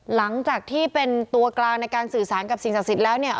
หลังจากที่เป็นตัวกลางในการสื่อสารกับสิ่งศักดิ์สิทธิ์แล้วเนี่ย